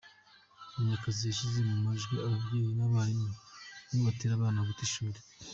Munyakazi yashyize mu amajwi ababyeyi n’abarimu bamwe gutera abana guta ishuri.